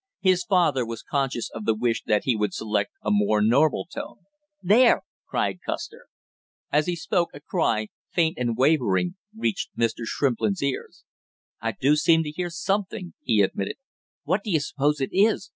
His father was conscious of the wish that he would select a more normal tone. "There!" cried Custer. As he spoke, a cry, faint and wavering, reached Mr. Shrimplin's ears. "I do seem to hear something " he admitted. "What do you suppose it is?"